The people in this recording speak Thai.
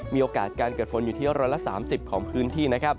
มีโอกาสการเกิดฝนอยู่ที่ร้อยละ๓๐ของพื้นที่